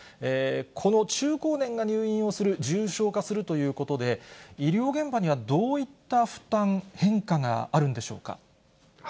この中高年が入院をする、重症化するということで、医療現場にはどういった負担、変化があるんでしょうか。